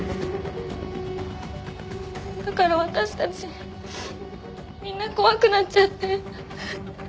だから私たちみんな怖くなっちゃって。